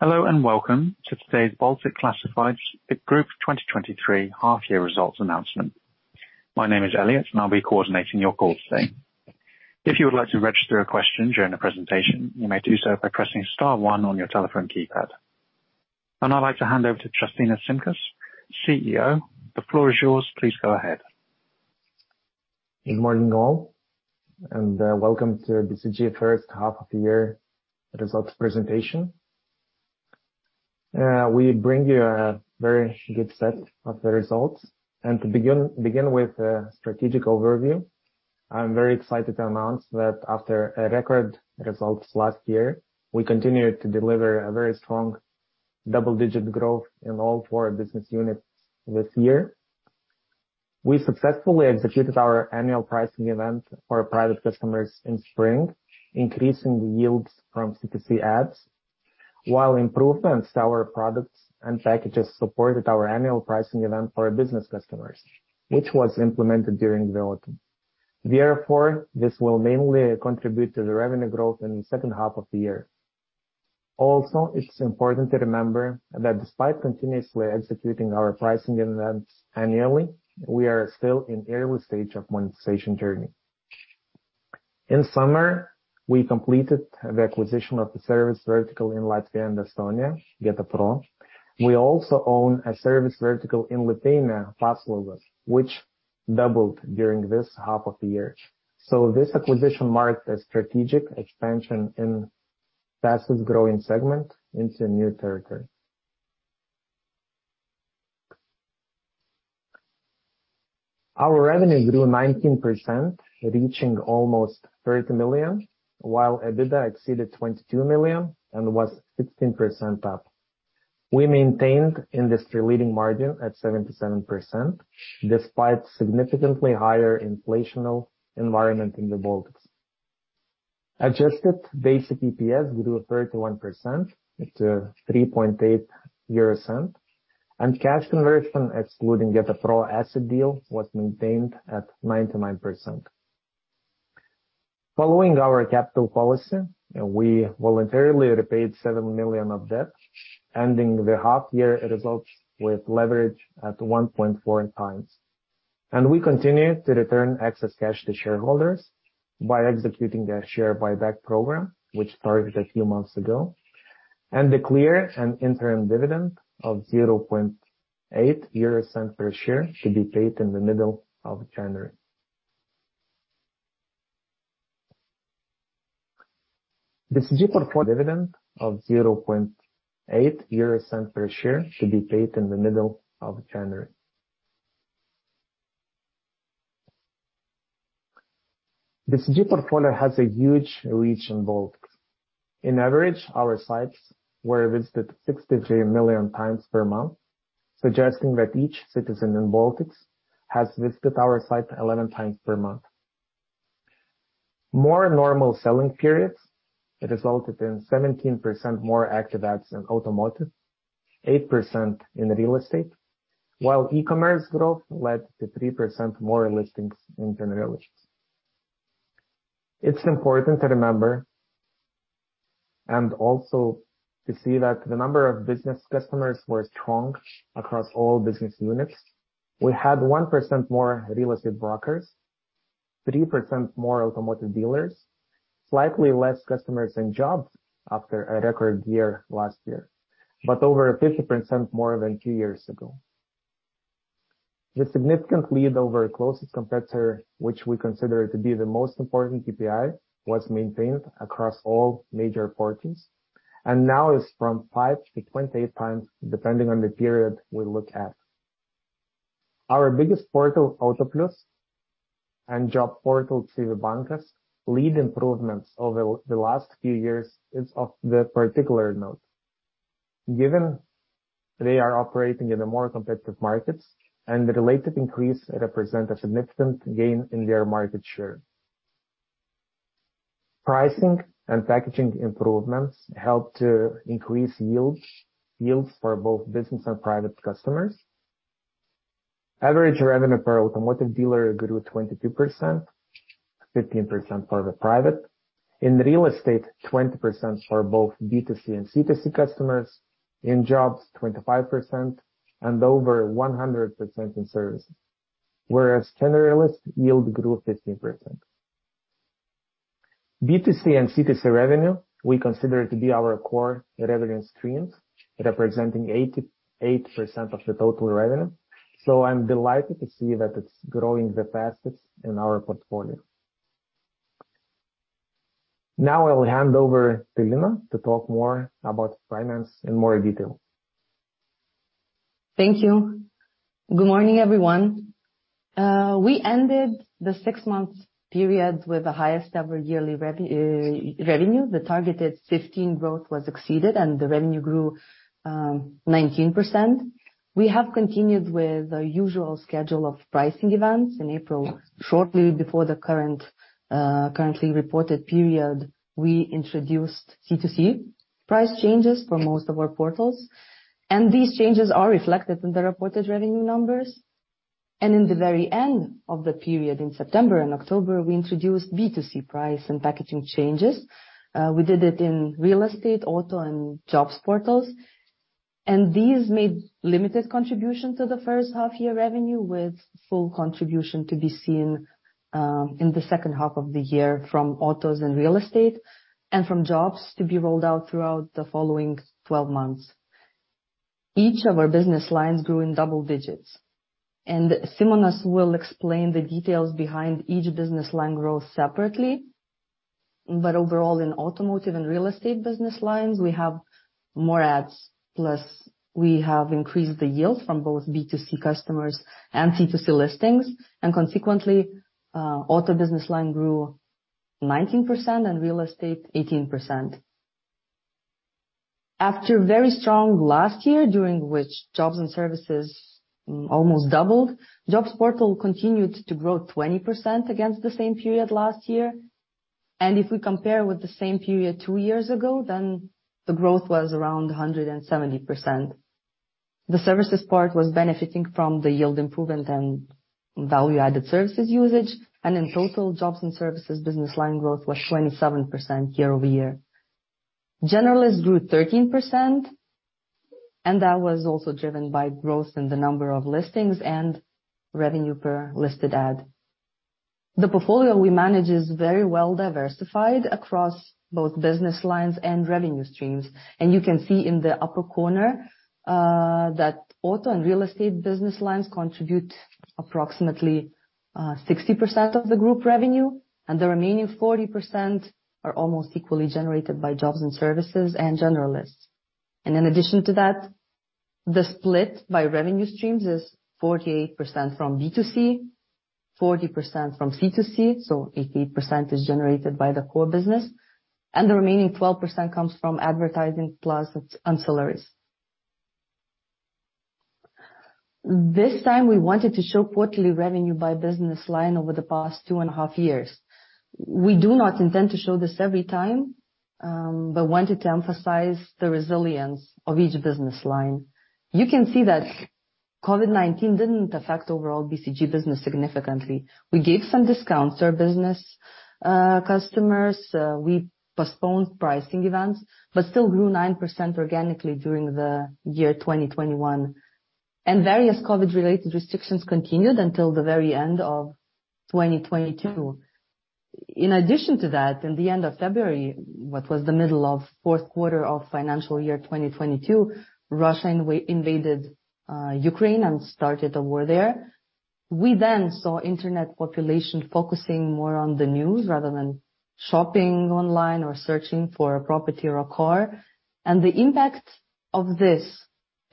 Hello, welcome to today's Baltic Classifieds Group 2023 half-year results announcement. My name is Elliot, I'll be coordinating your call today. If you would like to register a question during the presentation, you may do so by pressing star one on your telephone keypad. I'd like to hand over to Justinas Šimkus, CEO. The floor is yours. Please go ahead. Good morning all, and welcome to BCG first half of the year results presentation. We bring you a very good set of the results. To begin with a strategic overview. I'm very excited to announce that after a record results last year, we continued to deliver a very strong double-digit growth in all four business units this year. We successfully executed our annual pricing event for our private customers in spring, increasing the yields from C2C ads, while improvements to our products and packages supported our annual pricing event for our business customers, which was implemented during the autumn. This will mainly contribute to the revenue growth in the second half of the year. It's important to remember that despite continuously executing our pricing events annually, we are still in early stage of monetization journey. In summer, we completed the acquisition of the service vertical in Latvia and Estonia, GetaPro. We also own a service vertical in Lithuania, Paslaugos.lt, which doubled during this half of the year. This acquisition marked a strategic expansion in fastest-growing segment into new territory. Our revenue grew 19%, reaching almost 30 million, while EBITDA exceeded 22 million and was 16% up. We maintained industry leading margin at 77% despite significantly higher inflation environment in the Baltics. Adjusted basic EPS grew 31% to EUR 0.038, and cash conversion excluding GetaPro asset deal was maintained at 99%. Following our capital policy, we voluntarily repaid 7 million of debt, ending the half year results with leverage at 1.4x. We continue to return excess cash to shareholders by executing their share buyback program, which started a few months ago. The clear and interim dividend of 0.008 per share to be paid in the middle of January. BCG portfolio... dividend of 0.008 per share to be paid in the middle of January. BCG portfolio has a huge reach in Baltics. In average, our sites were visited 63 million times per month, suggesting that each citizen in Baltics has visited our site 11 times per month. More normal selling periods resulted in 17% more active ads in automotive, 8% in real estate, while e-commerce growth led to 3% more listings in generalists. It's important to remember and also to see that the number of business customers were strong across all business units. We had 1% more real estate brokers, 3% more automotive dealers, slightly less customers and jobs after a record year last year, over 50% more than two years ago. The significant lead over closest competitor, which we consider to be the most important KPI, was maintained across all major portals, now is from five to 28 times, depending on the period we look at. Our biggest portal, Autoplius.lt and job portal, CVBankas lead improvements over the last few years is of the particular note. Given they are operating in a more competitive markets and the relative increase represent a significant gain in their market share. Pricing and packaging improvements help to increase yields for both business and private customers. Average revenue per automotive dealer grew 22%, 15% for the private. In real estate, 20% for both B2C and C2C customers. In jobs, 25% and over 100% in services. Generalist yield grew 15%. B2C and C2C revenue, we consider to be our core revenue streams, representing 88% of the total revenue. I'm delighted to see that it's growing the fastest in our portfolio. Now I will hand over to Lina to talk more about finance in more detail. Thank you. Good morning, everyone. We ended the six-month period with the highest ever yearly revenue. The targeted 15% growth was exceeded and the revenue grew 19%. We have continued with the usual schedule of pricing events. In April, shortly before the current, currently reported period, we introduced C2C price changes for most of our portals, and these changes are reflected in the reported revenue numbers. In the very end of the period in September and October, we introduced B2C price and packaging changes. We did it in real estate, auto, and jobs portals. These made limited contribution to the first half-year revenue, with full contribution to be seen in the second half-year from autos and real estate, and from jobs to be rolled out throughout the following 12 months. Each of our business lines grew in double digits, and Simonas will explain the details behind each business line growth separately. Overall, in automotive and real estate business lines, we have more ads, plus we have increased the yield from both B2C customers and C2C listings. Consequently, auto business line grew 19% and real estate 18%. After very strong last year, during which jobs and services almost doubled, jobs portal continued to grow 20% against the same period last year. If we compare with the same period two years ago, the growth was around 170%. The services part was benefiting from the yield improvement and value-added services usage. In total, jobs and services business line growth was 27% year-over-year. Generalists grew 13%. That was also driven by growth in the number of listings and revenue per listed ad. The portfolio we manage is very well diversified across both business lines and revenue streams. You can see in the upper corner that auto and real estate business lines contribute approximately 60% of the group revenue, and the remaining 40% are almost equally generated by jobs and services and generalists. In addition to that, the split by revenue streams is 48% from B2C, 40% from C2C, so 88% is generated by the core business, and the remaining 12% comes from advertising plus ancillaries. This time, we wanted to show quarterly revenue by business line over the past 2.5 years. We do not intend to show this every time, wanted to emphasize the resilience of each business line. You can see that COVID-19 didn't affect overall BCG business significantly. We gave some discounts to our business customers, we postponed pricing events, still grew 9% organically during the year 2021. Various COVID-related restrictions continued until the very end of 2022. In addition to that, in the end of February, what was the middle of Q4 of financial year, 2022, Russia invaded Ukraine and started a war there. We saw internet population focusing more on the news rather than shopping online or searching for a property or a car. The impact of this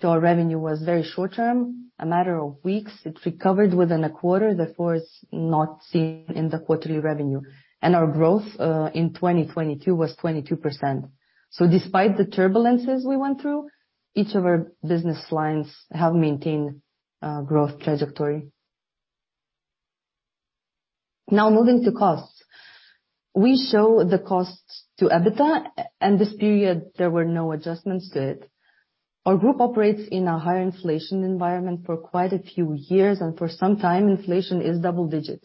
to our revenue was very short-term, a matter of weeks. It recovered within a quarter, therefore it's not seen in the quarterly revenue. Our growth in 2022 was 22%. Despite the turbulences we went through, each of our business lines have maintained growth trajectory. Now moving to costs. We show the costs to EBITDA, and this period, there were no adjustments to it. Our group operates in a higher inflation environment for quite a few years, and for some time inflation is double-digit.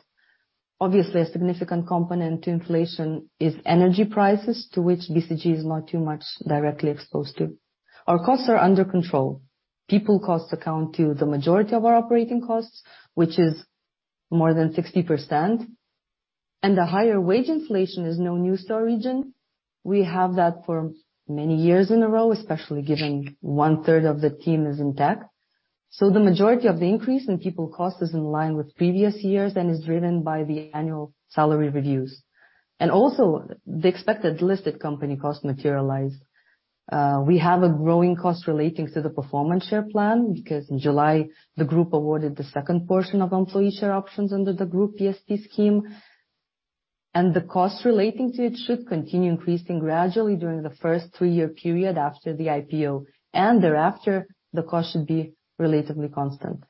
Obviously, a significant component to inflation is energy prices, to which BCG is not too much directly exposed to. Our costs are under control. People costs account to the majority of our operating costs, which is more than 60%. The higher wage inflation is no news to our region. We have that for many years in a row, especially given one-third of the team is in tech. The majority of the increase in people cost is in line with previous years and is driven by the annual salary reviews. Also the expected listed company cost materialized. We have a growing cost relating to the Performance Share Plan, because in July the group awarded the second portion of employee share options under the group PST scheme. The cost relating to it should continue increasing gradually during the first three-year period after the IPO. Thereafter, the cost should be relatively constant.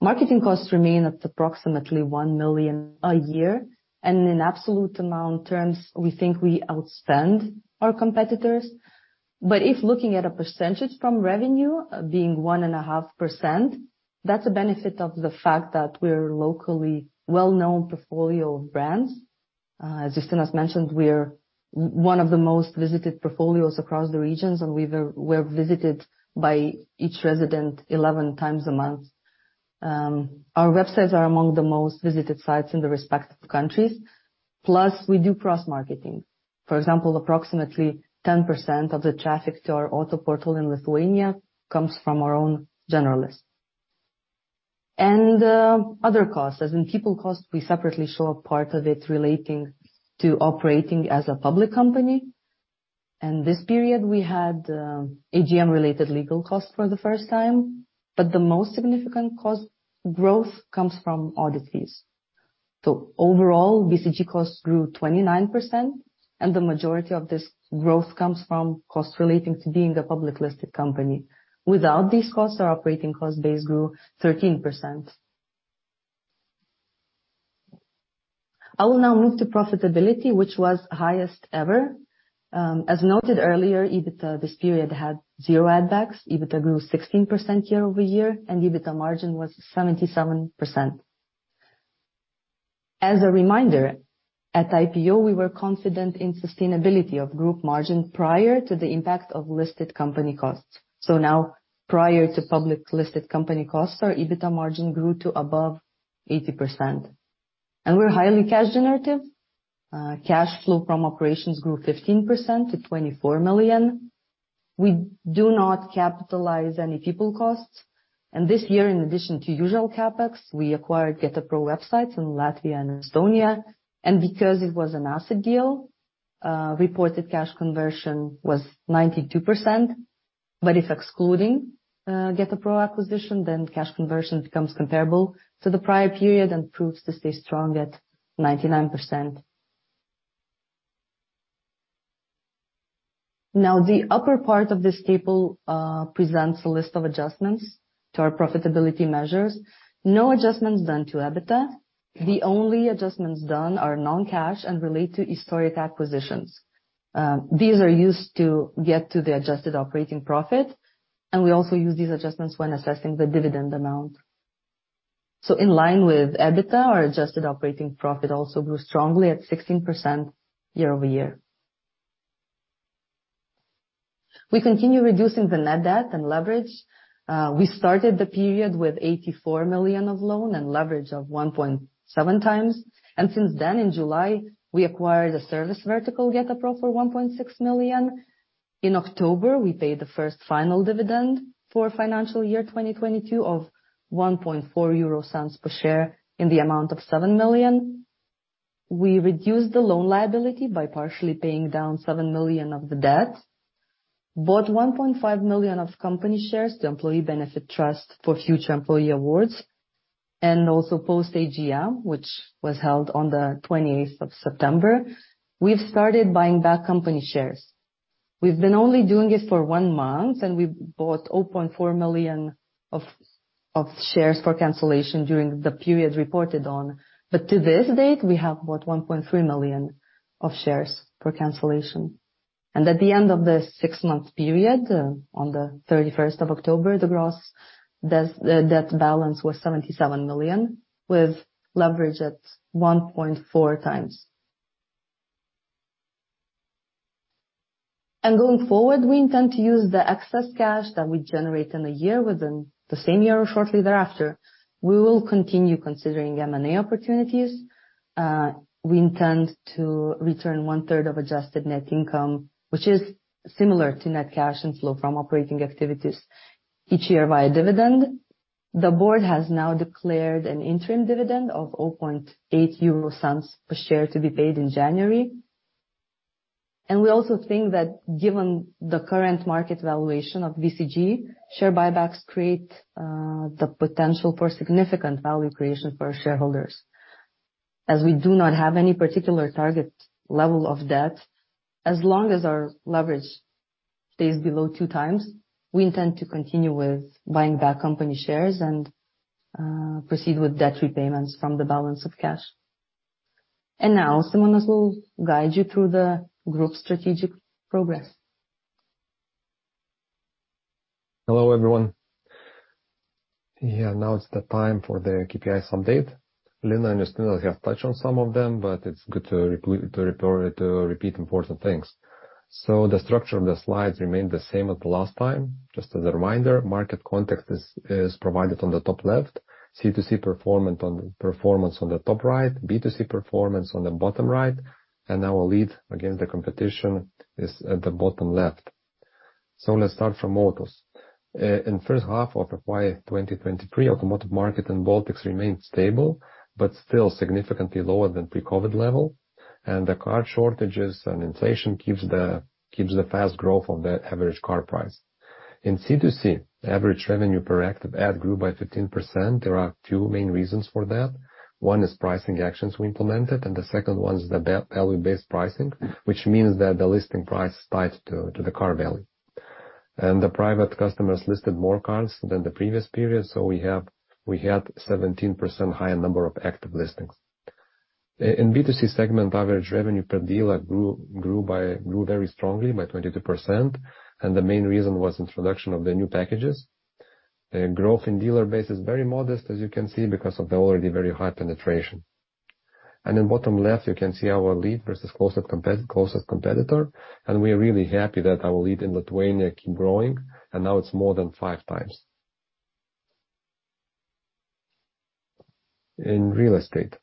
Marketing costs remain at approximately 1 million a year, and in absolute amount terms, we think we outspend our competitors. If looking at a percentage from revenue being 1.5%, that's a benefit of the fact that we're locally well-known portfolio of brands. As Justinas mentioned, we're one of the most visited portfolios across the regions, and we've, we're visited by each resident 11 times a month. Our websites are among the most visited sites in the respective countries. We do cross-marketing. For example, approximately 10% of the traffic to our auto portal in Lithuania comes from our own generalists. Other costs, as in people costs, we separately show a part of it relating to operating as a public company. This period we had AGM related legal costs for the first time, the most significant cost growth comes from audit fees. Overall, BCG costs grew 29%, the majority of this growth comes from costs relating to being a public listed company. Without these costs, our operating cost base grew 13%. I will now move to profitability, which was highest ever. As noted earlier, EBITDA this period had 0 add-backs. EBITDA grew 16% year-over-year and EBITDA margin was 77%. As a reminder, at IPO, we were confident in sustainability of group margin prior to the impact of listed company costs. Now, prior to public listed company costs, our EBITDA margin grew to above 80%. We're highly cash generative. Cash flow from operations grew 15% to 24 million. We do not capitalize any people costs. This year, in addition to usual CapEx, we acquired GetaPro websites in Latvia and Estonia. Because it was an asset deal, reported cash conversion was 92%. If excluding GetaPro acquisition, cash conversion becomes comparable to the prior period and proves to stay strong at 99%. The upper part of this table presents a list of adjustments to our profitability measures. No adjustments done to EBITDA. The only adjustments done are non-cash and relate to historic acquisitions. These are used to get to the adjusted operating profit, and we also use these adjustments when assessing the dividend amount. In line with EBITDA, our adjusted operating profit also grew strongly at 16% year-over-year. We continue reducing the net debt and leverage. We started the period with 84 million of loan and leverage of 1.7 times. Since then, in July, we acquired a service vertical, GetaPro, for 1.6 million. In October, we paid the first final dividend for financial year 2022 of 0.014 per share in the amount of 7 million. We reduced the loan liability by partially paying down 7 million of the debt. Bought 1.5 million of company shares to Employee Benefit Trust for future employee awards, and also post AGM, which was held on the 28th of September. We've started buying back company shares. We've been only doing it for one month, we bought 0.4 million of shares for cancellation during the period reported on. To this date, we have bought 1.3 million of shares for cancellation. At the end of the six-month period, on the 31st of October, the gross debt balance was 77 million, with leverage at 1.4 times. Going forward, we intend to use the excess cash that we generate in a year within the same year or shortly thereafter. We will continue considering M&A opportunities. We intend to return one-third of adjusted net income, which is similar to net cash and flow from operating activities each year via dividend. The board has now declared an interim dividend of 0.008 per share to be paid in January. We also think that given the current market valuation of BCG, share buybacks create the potential for significant value creation for shareholders. As we do not have any particular target level of debt, as long as our leverage stays below two times, we intend to continue with buying back company shares and proceed with debt repayments from the balance of cash. Now, Simonas will guide you through the group strategic progress. Hello, everyone. Now it's the time for the KPIs update. Lina and Justinas have touched on some of them, but it's good to repeat important things. The structure of the slides remained the same as the last time. Just as a reminder, market context is provided on the top left, C2C performance on the top right, B2C performance on the bottom right, and our lead against the competition is at the bottom left. Let's start from Autos. In first half of Y 2023, automotive market and Baltics remained stable, but still significantly lower than pre-COVID level. The car shortages and inflation keeps the fast growth on the average car price. In C2C, average revenue per active ad grew by 15%. There are two main reasons for that. One is pricing actions we implemented, the second one is the value-based pricing, which means that the listing price is tied to the car value. The private customers listed more cars than the previous period, so we had 17% higher number of active listings. In B2C segment, average revenue per dealer grew very strongly by 22%, and the main reason was introduction of the new packages. The growth in dealer base is very modest, as you can see, because of the already very high penetration. In bottom left, you can see our lead versus closest competitor, and we are really happy that our lead in Lithuania keep growing, and now it's more than 5 times. In real estate.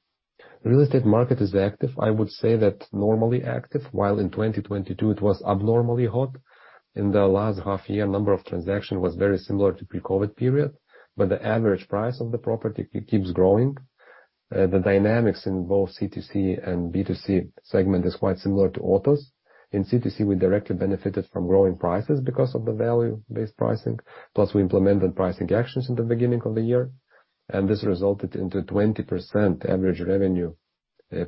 Real estate market is active. I would say that normally active, while in 2022 it was abnormally hot. In the last half year, number of transaction was very similar to pre-COVID period, but the average price of the property keeps growing. The dynamics in both C2C and B2C segment is quite similar to Autos. In C2C, we directly benefited from growing prices because of the value-based pricing, plus we implemented pricing actions in the beginning of the year, and this resulted into 20% average revenue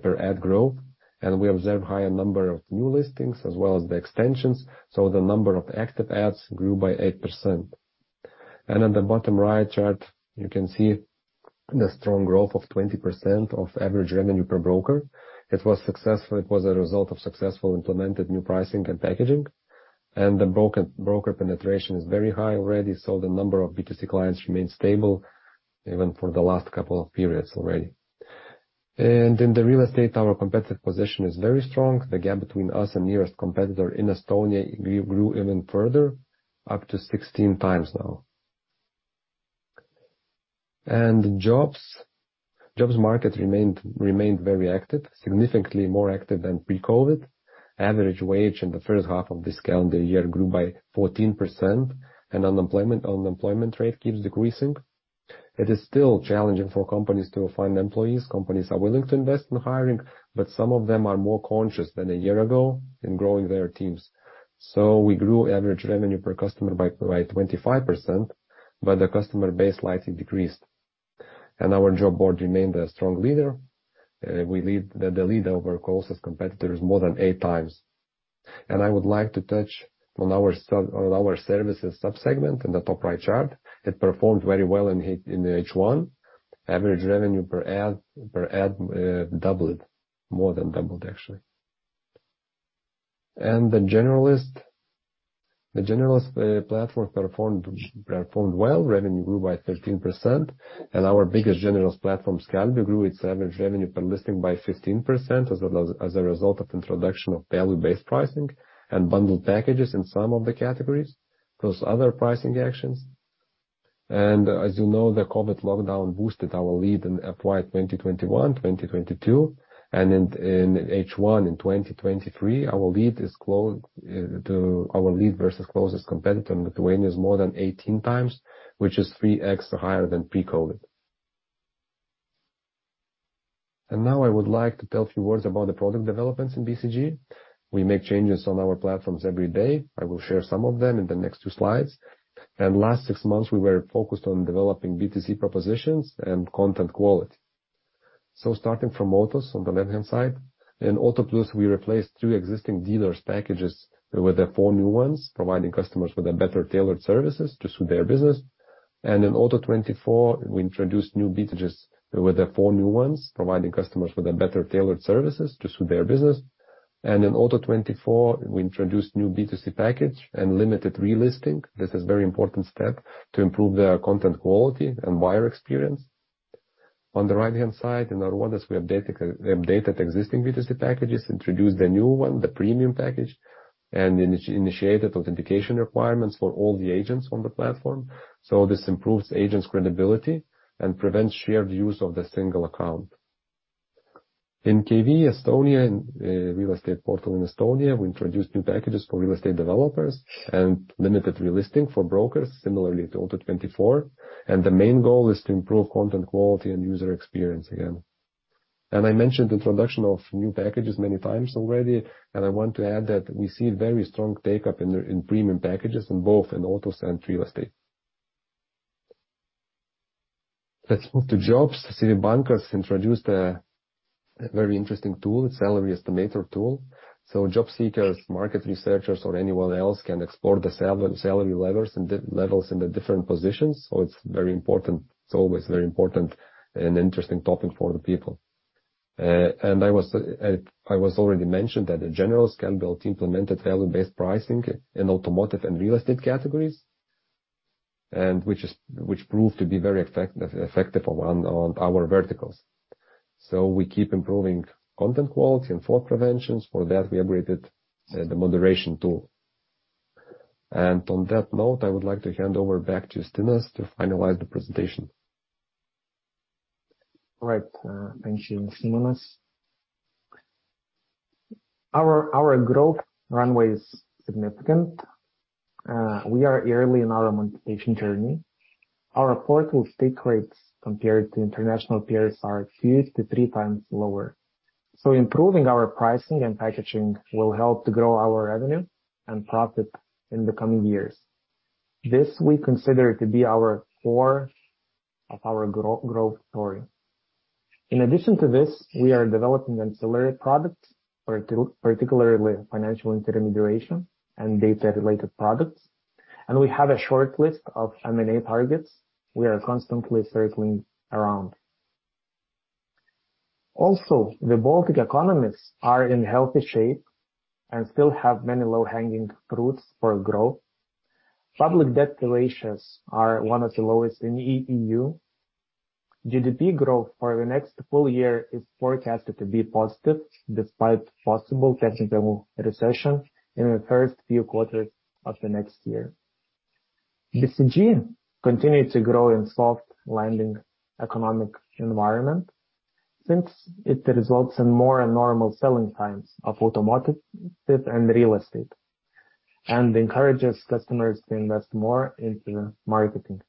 per ad growth. We observed higher number of new listings as well as the extensions, so the number of active ads grew by 8%. On the bottom right chart, you can see the strong growth of 20% of average revenue per broker. It was successful. It was a result of successful implemented new pricing and packaging. The broker penetration is very high already, so the number of B2C clients remains stable even for the last couple of periods already. In the real estate, our competitive position is very strong. The gap between us and nearest competitor in Estonia grew even further, up to 16 times now. Jobs market remained very active, significantly more active than pre-COVID. Average wage in the first half of this calendar year grew by 14%. Unemployment rate keeps decreasing. It is still challenging for companies to find employees. Companies are willing to invest in hiring, but some of them are more conscious than a year ago in growing their teams. We grew average revenue per customer by 25%, but the customer base slightly decreased. Our job board remained a strong leader. The lead over closest competitor is more than eight times. I would like to touch on our services sub-segment in the top right chart. It performed very well in H1. Average revenue per ad doubled. More than doubled, actually. The generalist platform performed well. Revenue grew by 13%. Our biggest generalist platform, Skelbiu.lt, grew its average revenue per listing by 15% as a result of introduction of value-based pricing and bundled packages in some of the categories, plus other pricing actions. As you know, the COVID lockdown boosted our lead in FY 2021, 2022. In H1 in 2023, our lead versus closest competitor in Lithuania is more than 18 times, which is 3x higher than pre-COVID. Now I would like to tell a few words about the product developments in BCG. We make changes on our platforms every day. I will share some of them in the next two slides. Last six months, we were focused on developing B2C propositions and content quality. Starting from autos on the left-hand side. In Autoplius.lt, we replaced three existing dealers packages with the four new ones, providing customers with a better tailored services to suit their business. In Auto24.ee, we introduced new B2Cs with the four new ones, providing customers with a better tailored services to suit their business. In Auto24.ee, we introduced new B2C package and limited relisting. This is very important step to improve the content quality and buyer experience. On the right-hand side, in our oneness, we updated existing B2C packages, introduced the new one, the premium package, and initiated authentication requirements for all the agents on the platform. This improves agents' credibility and prevents shared use of the single account. In KV.ee and real estate portal in Estonia, we introduced new packages for real estate developers and limited relisting for brokers, similarly to Auto24.ee. The main goal is to improve content quality and user experience again. I mentioned introduction of new packages many times already, and I want to add that we see very strong take-up in premium packages in both in autos and real estate. Let's move to jobs. CVbankas introduced a very interesting tool, a salary estimator tool. Job seekers, market researchers, or anyone else can explore the salary levels in the different positions. It's very important. It's always very important and interesting topic for the people. I was already mentioned that in general, Skelbiu.lt implemented value-based pricing in automotive and real estate categories, which proved to be very effective on our verticals. We keep improving content quality and fraud preventions. For that, we upgraded the moderation tool. On that note, I would like to hand over back to Justinas to finalize the presentation. All right. Thank you, Simonas. Our growth runway is significant. We are early in our monetization journey. Our portal stake rates compared to international peers are two to three times lower. Improving our pricing and packaging will help to grow our revenue and profit in the coming years. This we consider to be our core of our growth story. In addition to this, we are developing ancillary products, particularly financial intermediation and data-related products. We have a short list of M&A targets we are constantly circling around. The Baltic economies are in healthy shape and still have many low-hanging fruits for growth. Public debt ratios are one of the lowest in EU. GDP growth for the next full year is forecasted to be positive despite possible technical recession in the first few quarters of the next year. BCG continued to grow in soft landing economic environment since it results in more and normal selling times of automotive and real estate, and encourages customers to invest more into marketing.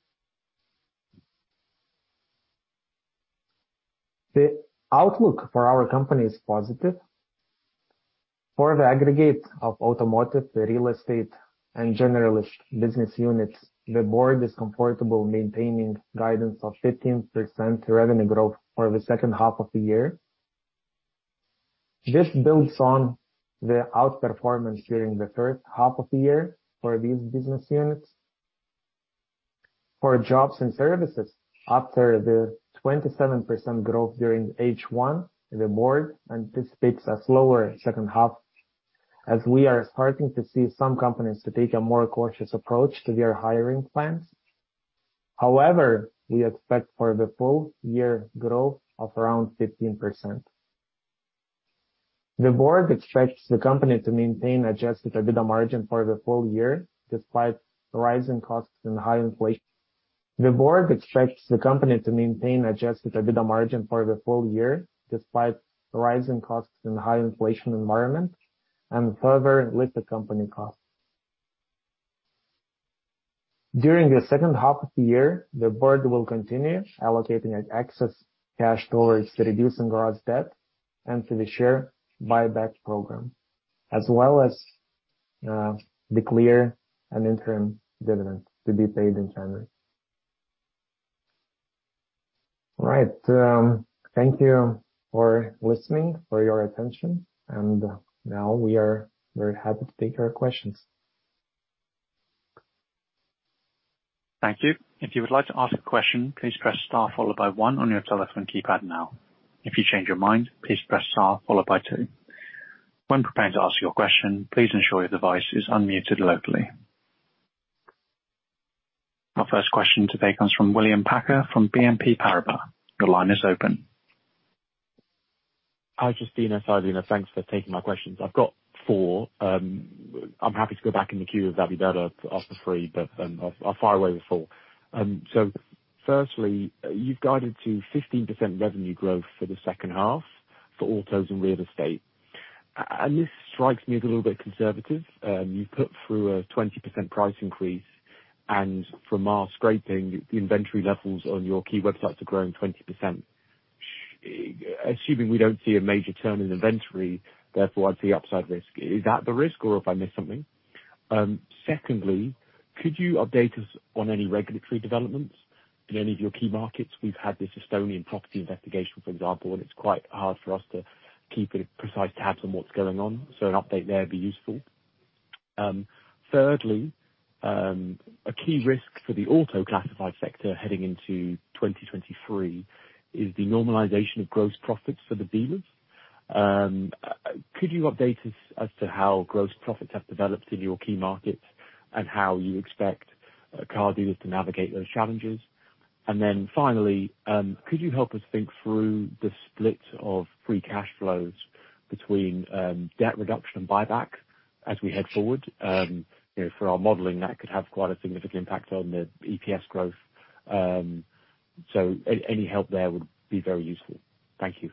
The outlook for our company is positive. For the aggregate of automotive, real estate, and generalist business units, the board is comfortable maintaining guidance of 15% revenue growth for the second half of the year. This builds on the outperformance during the first half of the year for these business units. For jobs and services, after the 27% growth during H1, the board anticipates a slower second half as we are starting to see some companies to take a more cautious approach to their hiring plans. We expect for the full year growth of around 15%. The board expects the company to maintain adjusted EBITDA margin for the full year despite rising costs and high inflation. The board expects the company to maintain adjusted EBITDA margin for the full year, despite rising costs and high inflation environment and further lift the company costs. During the second half of the year, the board will continue allocating excess cash towards reducing gross debt and to the share buyback program, as well as, declare an interim dividend to be paid in January. All right, thank you for listening, for your attention. Now we are very happy to take your questions. Thank you. If you would like to ask a question, please press star followed by one on your telephone keypad now. If you change your mind, please press star followed by two. When preparing to ask your question, please ensure your device is unmuted locally. Our first question today comes from William Packer from BNP Paribas. Your line is open. Hi, Justinas. Hi, Lina. Thanks for taking my questions. I've got four. I'm happy to go back in the queue if that'd be better after three, but I'll fire away with four. Firstly, you've guided to 15% revenue growth for the second half for autos and real estate. And this strikes me as a little bit conservative. You've put through a 20% price increase, and from our scraping, the inventory levels on your key websites are growing 20%. Assuming we don't see a major turn in inventory, therefore I'd see upside risk. Is that the risk, or have I missed something? Secondly, could you update us on any regulatory developments in any of your key markets? We've had this Estonian property investigation, for example, and it's quite hard for us to keep a precise tabs on what's going on. An update there'd be useful. Thirdly, a key risk for the auto classified sector heading into 2023 is the normalization of gross profits for the dealers. Could you update us as to how gross profits have developed in your key markets and how you expect car dealers to navigate those challenges? Finally, could you help us think through the split of free cash flows between debt reduction and buyback as we head forward? You know, for our modeling, that could have quite a significant impact on the EPS growth. Any help there would be very useful. Thank you.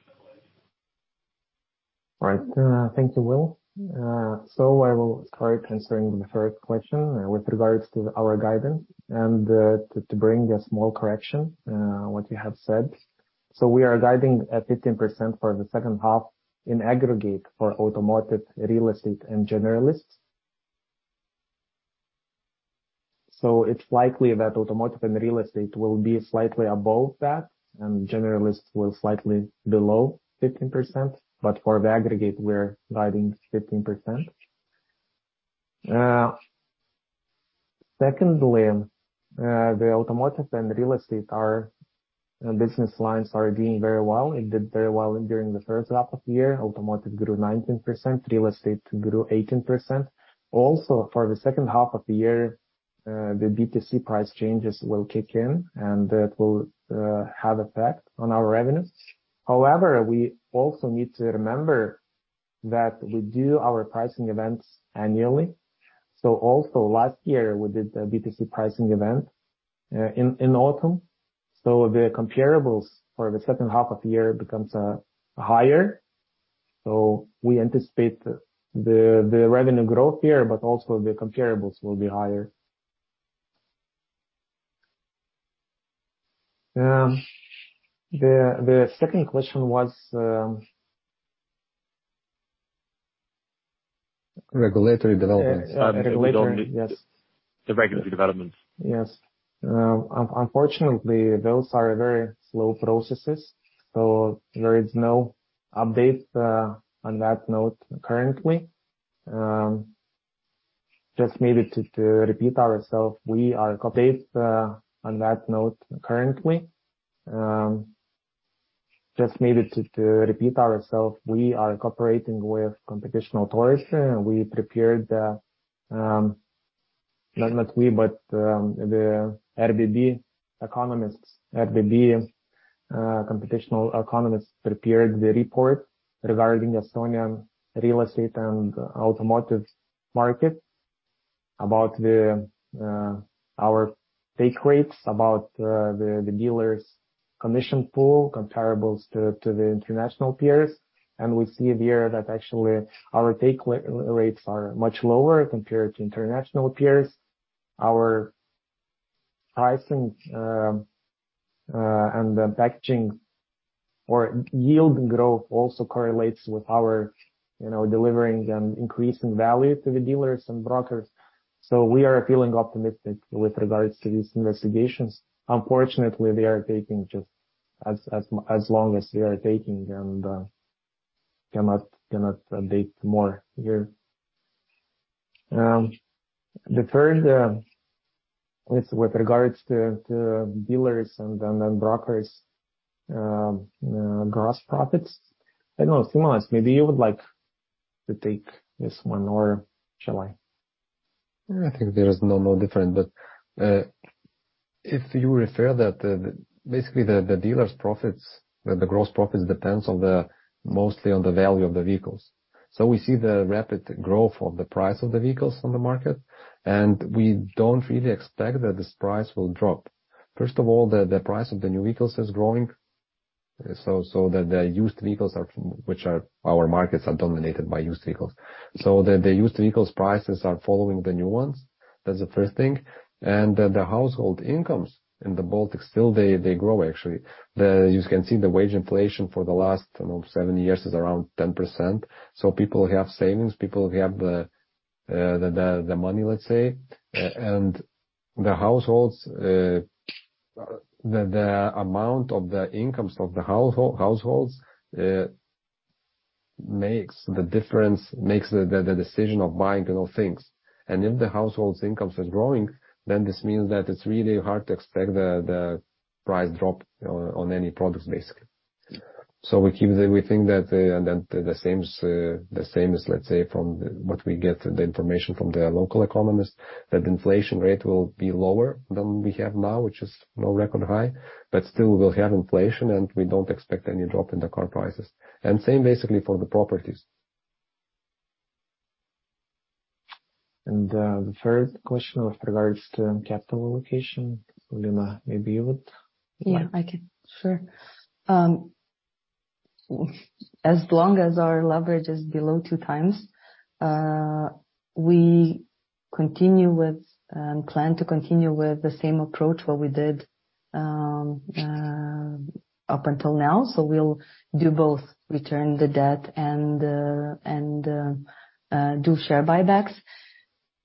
All right. Thank you, Will. I will start answering the first question with regards to our guidance and to bring a small correction, what you have said. We are guiding at 15% for the second half in aggregate for automotive, real estate, and generalists. It's likely that automotive and real estate will be slightly above that, and generalists will slightly below 15%. For the aggregate, we're guiding 15%. Secondly, the automotive and real estate are business lines are doing very well. It did very well during the first half of the year. Automotive grew 19%, real estate grew 18%. For the second half of the year, the B2C price changes will kick in, and that will have effect on our revenues. We also need to remember that we do our pricing events annually. Also last year, we did a B2C pricing event in autumn. The comparables for the second half of the year becomes higher. We anticipate the revenue growth here, but also the comparables will be higher. The second question was. Regulatory developments. Regulatory, yes. The regulatory developments. Yes. Unfortunately, those are very slow processes, there is no update on that note currently. Just maybe to repeat ourself, we are copied on that note currently. Just maybe to repeat ourself, we are cooperating with competition authorities. Not we, but the RBB economists. RBB competition economists prepared the report regarding Estonian real estate and automotive market, about the our take rates, about the dealers' commission pool comparables to the international peers. We see there that actually our take rates are much lower compared to international peers. Our pricing, and the packaging or yield growth also correlates with our, you know, delivering and increasing value to the dealers and brokers. We are feeling optimistic with regards to these investigations. Unfortunately, they are taking just as long as they are taking and cannot update more here. The third, with regards to dealers and brokers', gross profits. I don't know, Simonas, maybe you would like to take this one, or shall I? I think there is no different. If you refer that, basically the dealers' profits, the gross profits depends on the mostly on the value of the vehicles. We see the rapid growth of the price of the vehicles on the market, and we don't really expect that this price will drop. First of all, the price of the new vehicles is growing. The used vehicles which are our markets, are dominated by used vehicles. The used vehicles prices are following the new ones. That's the first thing. The household incomes in the Baltics, still they grow actually. You can see the wage inflation for the last, I don't know, seven years is around 10%. People have savings, people have the money, let's say. The households, the amount of the incomes of the households makes the difference, makes the decision of buying, you know, things. If the households' incomes are growing, then this means that it's really hard to expect the price drop on any products, basically. We think that the same as, let's say, from what we get the information from the local economists, that inflation rate will be lower than we have now, which is, you know, record high. Still we'll have inflation. We don't expect any drop in the car prices. Same basically for the properties. The third question with regards to capital allocation. Lina, maybe you would like. Yeah, I can. Sure. As long as our leverage is below two times, we plan to continue with the same approach what we did up until now. We'll do both, return the debt and do share buybacks.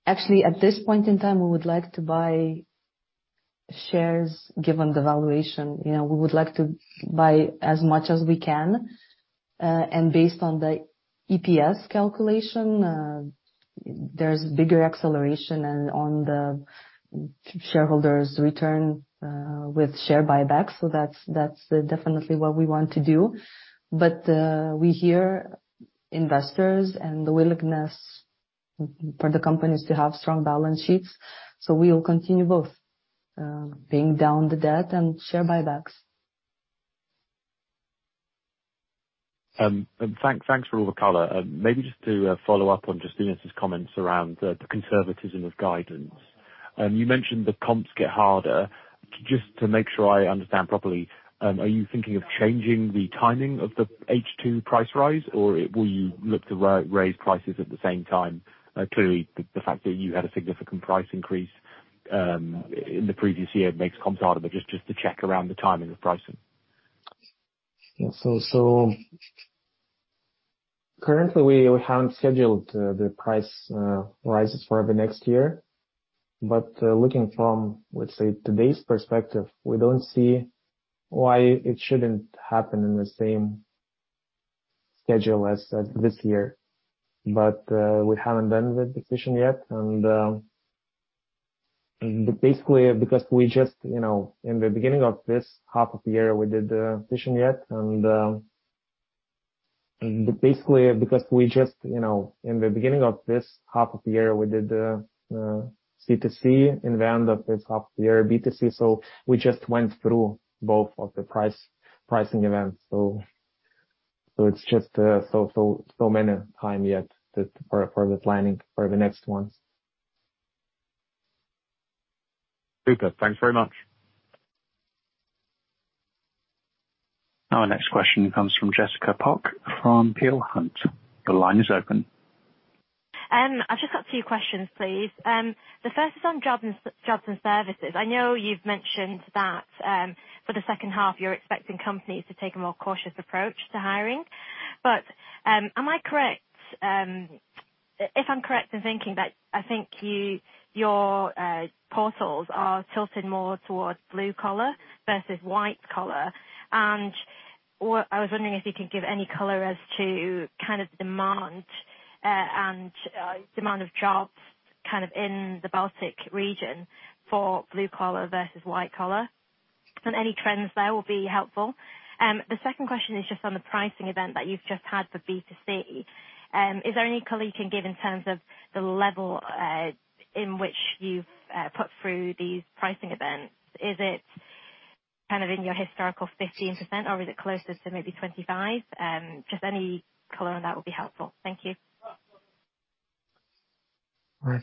Actually, at this point in time, we would like to buy shares given the valuation. You know, we would like to buy as much as we can. Based on the EPS calculation, there's bigger acceleration and on the shareholders' return with share buybacks. That's definitely what we want to do. We hear investors and the willingness for the companies to have strong balance sheets. We will continue both, paying down the debt and share buybacks. Thanks for all the color. Maybe just to follow up on Justinas' comments around the conservatism of guidance. You mentioned the comps get harder. Just to make sure I understand properly, are you thinking of changing the timing of the H2 price rise, or will you look to raise prices at the same time? Clearly the fact that you had a significant price increase in the previous year makes comps harder, but just to check around the timing of pricing. Yeah. So currently, we haven't scheduled the price rises for the next year. Looking from, let's say, today's perspective, we don't see why it shouldn't happen in the same schedule as this year. We haven't done the decision yet. Basically, because we just, you know, in the beginning of this half of the year, we did the decision yet. Basically, because we just, you know, in the beginning of this half of the year, we did C2C, in the end of this half year, B2C. We just went through both of the pricing events. It's just so many time yet to for the planning for the next ones. Super. Thanks very much. Our next question comes from Jessica Pok from Peel Hunt. The line is open. I've just got two questions, please. The first is on jobs and services. I know you've mentioned that, for the second half, you're expecting companies to take a more cautious approach to hiring. Am I correct? If I'm correct in thinking that, I think your portals are tilted more towards blue collar versus white collar. I was wondering if you could give any color as to kind of demand and demand of jobs kind of in the Baltic region for blue collar versus white collar, and any trends there will be helpful. The second question is just on the pricing event that you've just had for B2C. Is there any color you can give in terms of the level in which you've put through these pricing events? Is it kind of in your historical 15%, or is it closer to maybe 25%? Just any color on that would be helpful. Thank you. Right.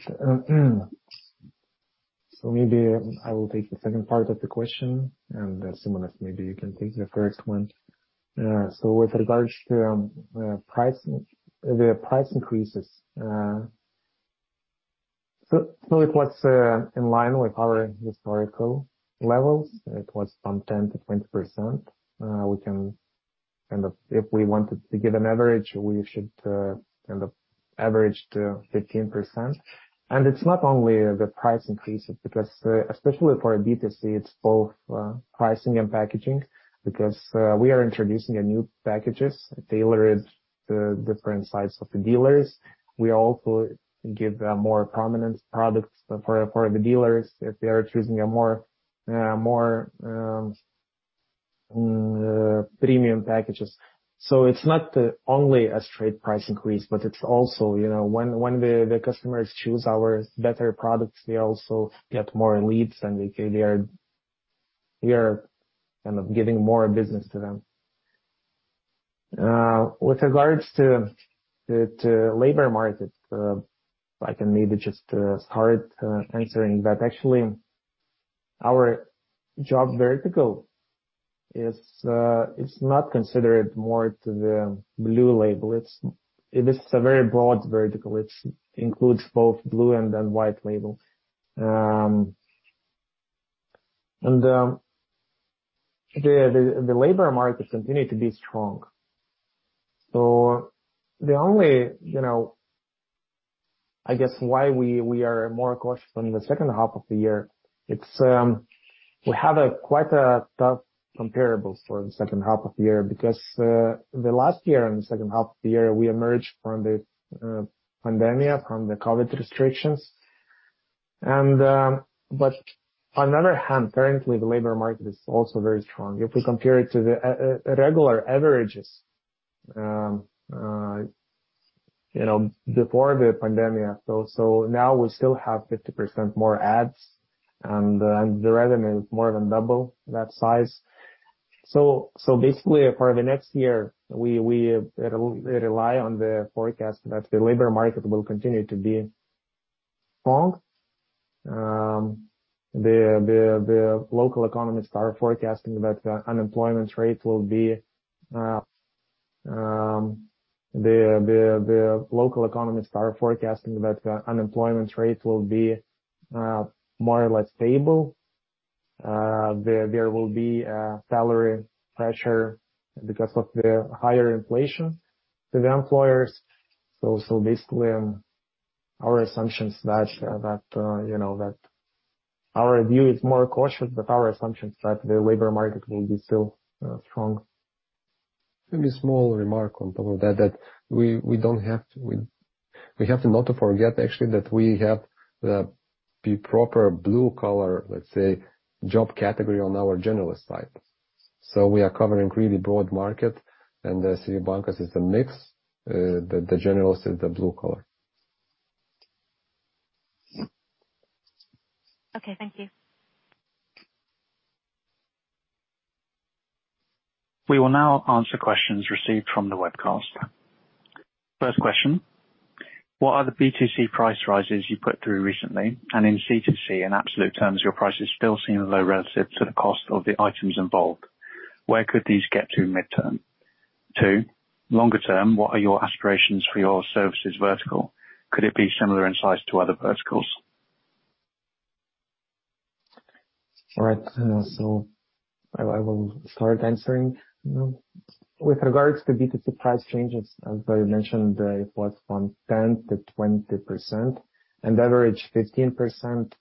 So maybe I will take the second part of the question. Simonas, maybe you can take the first one. With regards to price, the price increases. It was in line with our historical levels. It was from 10%-20%. We can. If we wanted to give an average, we should kind of average to 15%. It's not only the price increases because especially for a B2C, it's both pricing and packaging, because we are introducing a new packages, tailored the different sides of the dealers. We also give more prominent products for the dealers if they are choosing a more premium packages. It's not only a straight price increase, but it's also, you know, when the customers choose our better products, we also get more leads, and we feel we are kind of giving more business to them. With regards to labor market, I can maybe just start answering that. Actually, our job vertical is not considered more to the blue-collar. It is a very broad vertical, which includes both blue-collar and then white-collar. The labor market continue to be strong. The only, you know, I guess why we are more cautious on the second half of the year, it's, we have a quite a tough comparable for the second half of the year because, the last year, in the second half of the year, we emerged from the pandemic, from the COVID restrictions. On the other hand, currently the labor market is also very strong. If we compare it to the regular averages, you know, before the pandemic. Now we still have 50% more ads and the revenue is more than double that size. Basically for the next year, we rely on the forecast that the labor market will continue to be strong. The local economists are forecasting that the unemployment rate will be. The local economists are forecasting that the unemployment rate will be more or less stable. There will be a salary pressure because of the higher inflation to the employers. Basically our assumptions that, you know, that our view is more cautious, but our assumptions that the labor market will be still strong. Maybe small remark on top of that we have to not to forget actually that we have the proper blue-collar, let's say, job category on our generalist side. We are covering really broad market and the city bankers is the mix. The generalist is the blue-collar. Okay. Thank you. We will now answer questions received from the webcast. First question: What are the B2C price rises you put through recently? In C2C, in absolute terms, your prices still seem low relative to the cost of the items involved. Where could these get to midterm? Two, longer term, what are your aspirations for your services vertical? Could it be similar in size to other verticals? All right. I will start answering. With regards to B2C price changes, as I mentioned, it was from 10%-20% and average 15%.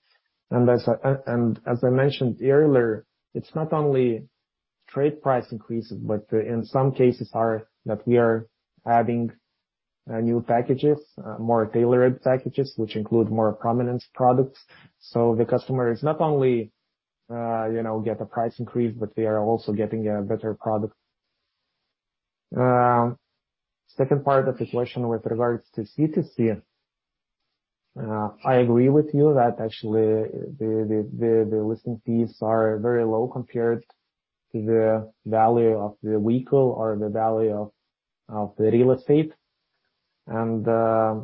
As I mentioned earlier, it's not only trade price increases, but in some cases are that we are adding new packages, more tailored packages, which include more prominence products. The customer is not only, you know, get a price increase, but they are also getting a better product. Second part of the question with regards to C2C. I agree with you that actually the listing fees are very low compared to the value of the vehicle or the value of the real estate. How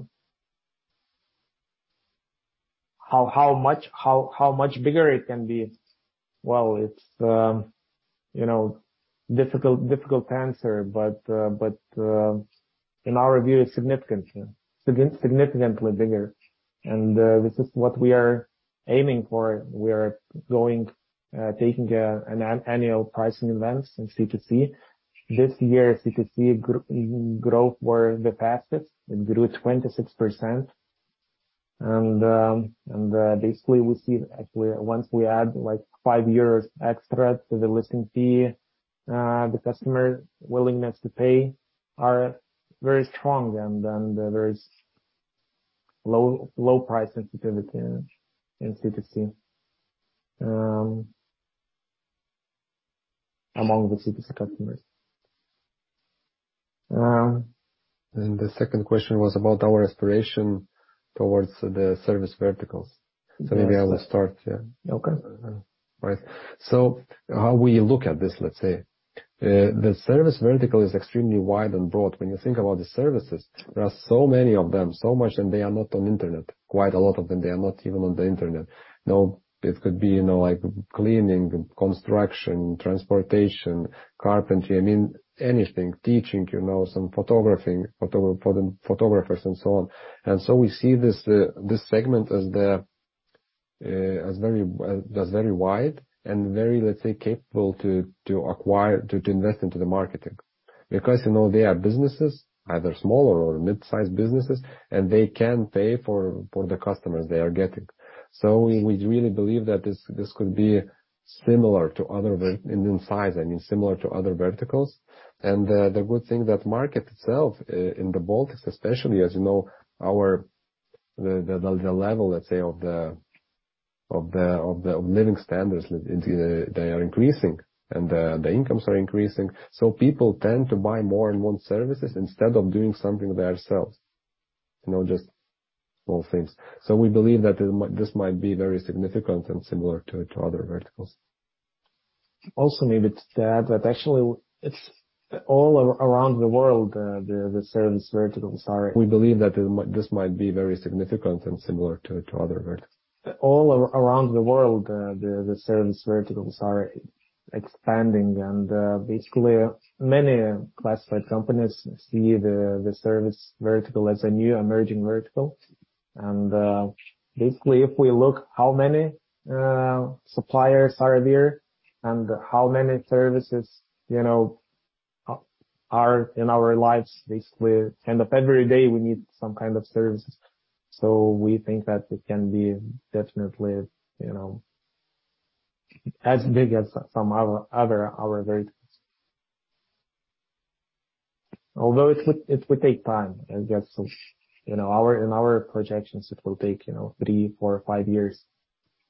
much bigger it can be? It's, you know, difficult to answer, in our view, significantly. Significantly bigger. This is what we are aiming for. We are going taking annual pricing events in C2C. This year's C2C growth were the fastest. It grew 26%. Basically we see actually once we add like five years extra to the listing fee, the customer willingness to pay are very strong and there is low price sensitivity in C2C among the C2C customers. The second question was about our aspiration towards the service verticals. Yes. Maybe I will start. Yeah. Okay. Right. How we look at this, let's say. The service vertical is extremely wide and broad. When you think about the services, there are so many of them, so much, and they are not on internet. Quite a lot of them, they are not even on the internet. Now, it could be, you know, like cleaning, construction, transportation, carpentry, I mean anything. Teaching, you know, some photography, photographers and so on. We see this segment as the, as very, as very wide and very, let's say, capable to acquire to invest into the marketing. You know, they are businesses, either small or mid-sized businesses, and they can pay for the customers they are getting. We really believe that this could be similar to other verticals. In size, I mean, similar to other verticals. The good thing, that market itself in the Baltics, especially, as you know, our the level, let's say, of the living standards, they are increasing and the incomes are increasing. People tend to buy more and more services instead of doing something themselves. You know, just small things. We believe that this might be very significant and similar to other verticals. Maybe to add that actually it's all around the world, the service verticals are. We believe that this might be very significant and similar to other verticals. All around the world, the service verticals are expanding. Basically, many classified companies see the service vertical as a new emerging vertical. Basically, if we look how many suppliers are there and how many services, you know, are in our lives, basically, end of every day, we need some kind of services. We think that it can be definitely, you know, as big as some other our verticals. Although it would take time, I guess. You know, in our projections, it will take, you know, three, four or five years.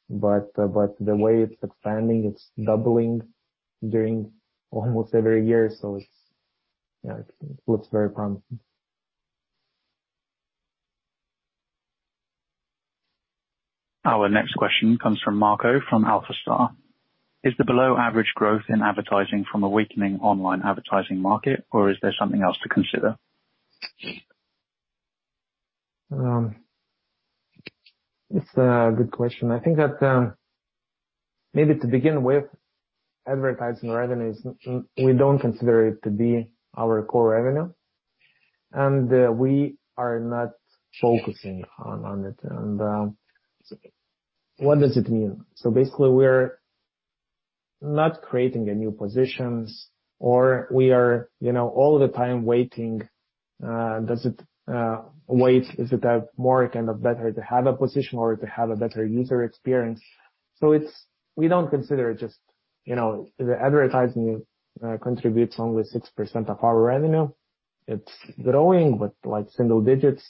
The way it's expanding, it's doubling during almost every year. It's, you know, it looks very promising. Our next question comes from Marco, from AlphaStar. Is the below average growth in advertising from a weakening online advertising market, or is there something else to consider? It's a good question. I think that, maybe to begin with, advertising revenues, we don't consider it to be our core revenue. We are not focusing on it. What does it mean? Basically, we're not creating new positions or we are, you know, all the time waiting, does it, wait, is it a more kind of better to have a position or to have a better user experience? We don't consider it just, you know, the advertising contributes only 6% of our revenue. It's growing, but like single digits.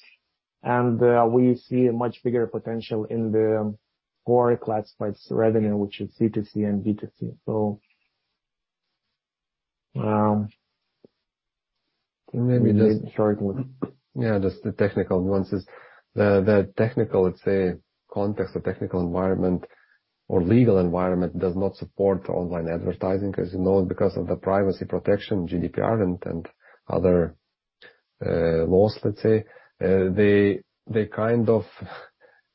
We see a much bigger potential in the core classifieds revenue, which is C2C and B2C. maybe just short would- Yeah, just the technical ones is the technical, let's say, context or technical environment or legal environment does not support online advertising. Because, you know, because of the privacy protection, GDPR and other, laws, let's say. They, they kind of,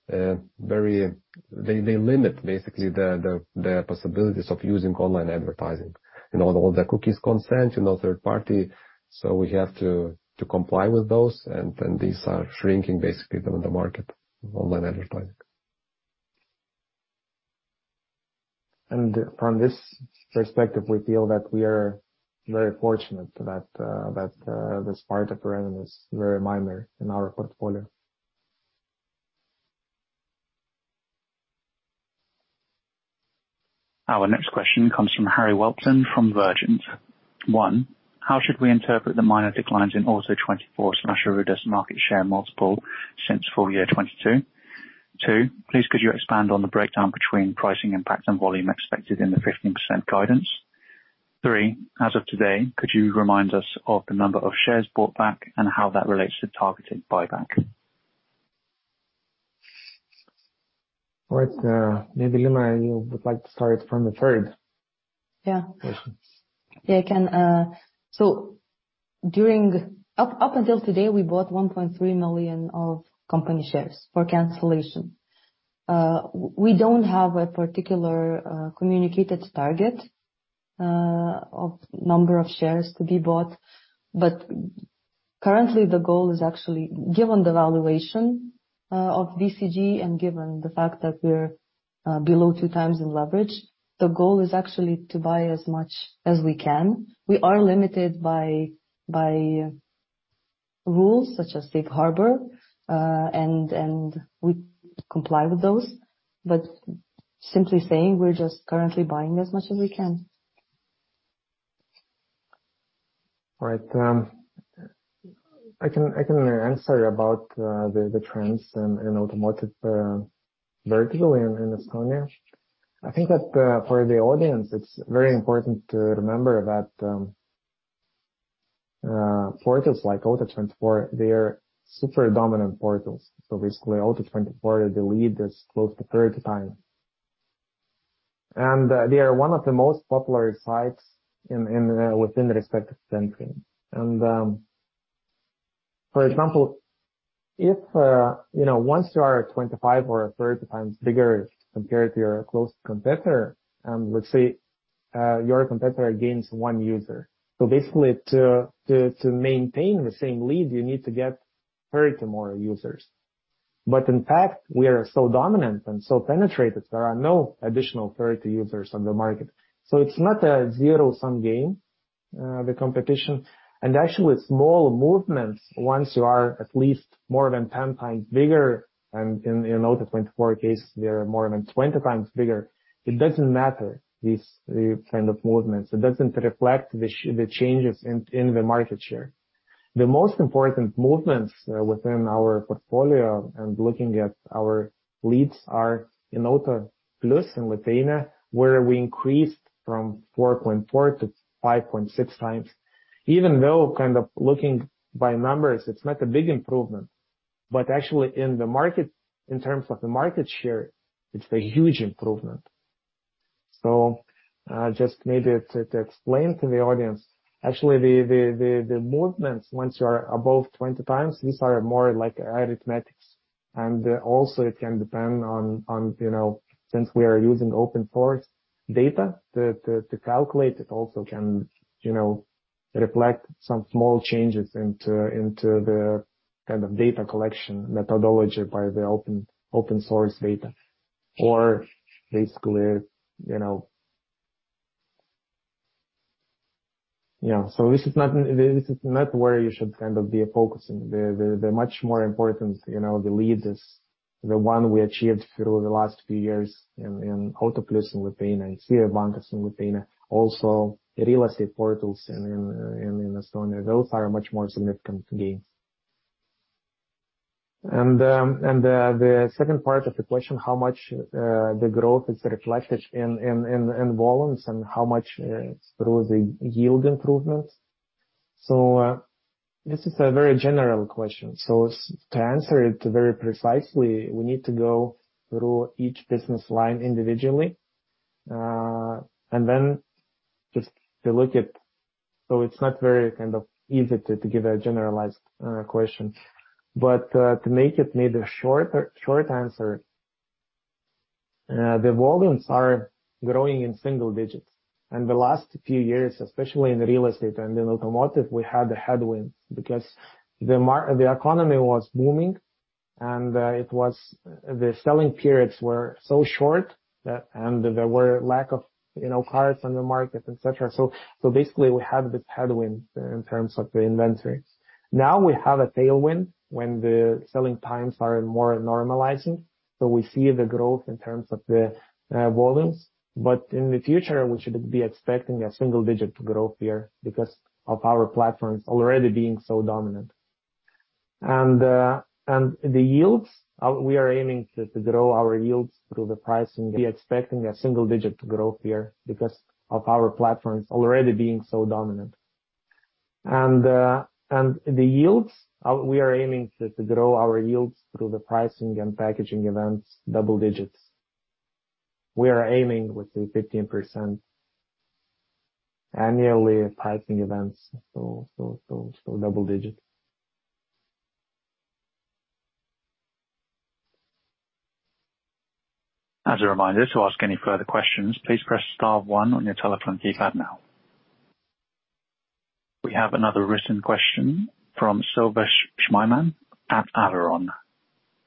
limit basically the, the possibilities of using online advertising. You know, all the cookies consent, you know, third party. We have to comply with those. These are shrinking basically the market of online advertising. From this perspective, we feel that we are very fortunate that, this part of revenue is very minor in our portfolio. Our next question comes from Harry Weltman from Berenberg. One, how should we interpret the minor declines in Auto24's national market share multiple since full year 2022? Two, please could you expand on the breakdown between pricing impact and volume expected in the 15% guidance? Three, as of today, could you remind us of the number of shares bought back and how that relates to targeted buyback? All right. maybe, Lina, you would like to start from the third question. Yeah, I can. Up until today, we bought 1.3 million of company shares for cancellation. We don't have a particular communicated target of number of shares to be bought. Currently, the goal is actually, given the valuation of BCG and given the fact that we're below two times in leverage, the goal is actually to buy as much as we can. We are limited by rules such as Safe Harbor, and we comply with those. Simply saying, we're just currently buying as much as we can. All right. I can answer about the trends in automotive vertical in Estonia. I think that for the audience, it's very important to remember that portals like Auto24.ee, they are super dominant portals. Basically Auto24.ee, the lead is close to 30 times. They are one of the most popular sites in within the respective country. For example, if you know, once you are 25 or 30 times bigger compared to your close competitor, your competitor gains one user. Basically, to maintain the same lead, you need to get 30 more users. In fact, we are so dominant and so penetrated, there are no additional 30 users on the market. It's not a zero-sum game, the competition. Actually, small movements, once you are at least more than 10 times bigger, and in, you know, the 24 case, they are more than 20 times bigger, it doesn't matter, these kind of movements. It doesn't reflect the changes in the market share. The most important movements within our portfolio and looking at our leads are in Autoplius.lt in Lithuania, where we increased from 4.4 to 5.6x. Even though kind of looking by numbers, it's not a big improvement. Actually in the market, in terms of the market share, it's a huge improvement. Just maybe to explain to the audience, actually the movements once you are above 20 times, these are more like arithmetics. Also it can depend on, you know, since we are using open force data to calculate, it also can, you know, reflect some small changes into the kind of data collection methodology by the open source data. Basically, you know, this is not where you should kind of be focusing. The much more important, you know, the lead is the one we achieved through the last few years in Autoplius.lt in Lithuania and CVbankas in Lithuania, also real estate portals in Estonia. Those are much more significant gains. The second part of the question, how much the growth is reflected in volumes and how much through the yield improvements. This is a very general question. To answer it very precisely, we need to go through each business line individually. It's not very kind of easy to give a generalized question. To make it maybe short answer, the volumes are growing in single digits. The last few years, especially in real estate and in automotive, we had the headwind because the economy was booming. The selling periods were so short, and there were lack of, you know, cars on the market, et cetera. Basically we had this headwind in terms of the inventory. Now we have a tailwind when the selling times are more normalizing, so we see the growth in terms of the volumes. In the future, we should be expecting a single-digit growth year because of our platforms already being so dominant. The yields, we are aiming to grow our yields through the pricing. We expecting a single-digit growth year because of our platforms already being so dominant. The yields, we are aiming to grow our yields through the pricing and packaging events double digits. We are aiming with the 15% annually pricing events, so double digits. As a reminder, to ask any further questions, please press star one on your telephone keypad now. We have another recent question from Silas Hope at Numis.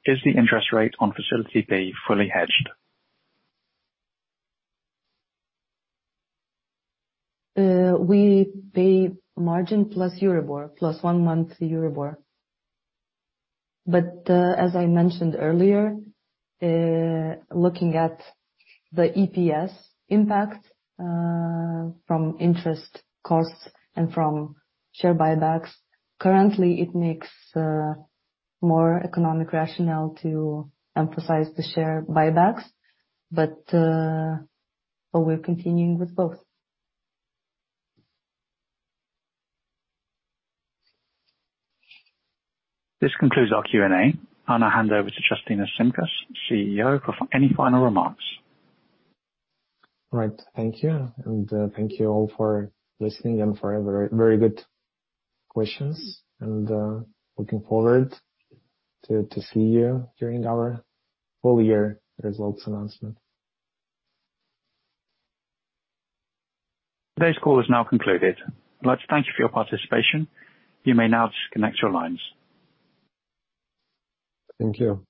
Is the interest rate on facility fee fully hedged? We pay margin plus Euribor, plus one month Euribor. As I mentioned earlier, looking at the EPS impact from interest costs and from share buybacks, currently it makes more economic rationale to emphasize the share buybacks. We're continuing with both. This concludes our Q&A. I hand over to Justinas Šimkus, CEO, for any final remarks. All right. Thank you. Thank you all for listening and for your very, very good questions. Looking forward to see you during our full year results announcement. Today's call is now concluded. I'd like to thank you for your participation. You may now disconnect your lines. Thank you.